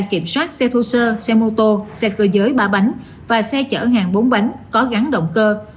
kiểm soát xe thô sơ xe mô tô xe cơ giới ba bánh và xe chở hàng bốn bánh có gắn động cơ